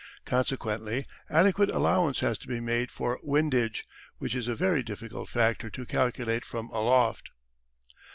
Consequently adequate allowance has to be made for windage, which is a very difficult factor to calculate from aloft.